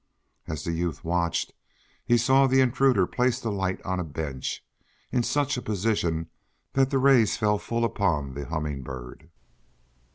As the youth watched, he saw the intruder place the light on a bench, in such a position that the rays fell full upon the Humming Bird.